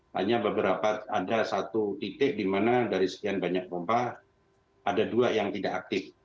hanya beberapa ada satu titik di mana dari sekian banyak pompa ada dua yang tidak aktif